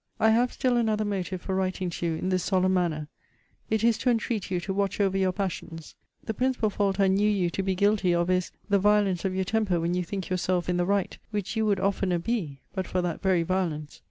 I have still another motive for writing to you in this solemn manner: it is, to entreat you to watch over your passions. The principal fault I knew you to be guilty of is, the violence of your temper when you think yourself in the right; which you would oftener be, but for that very violence.